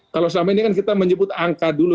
kalau selama ini kan kita menyebut angka dulu